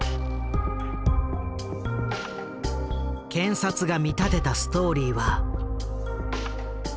検察が見立てたストーリーは。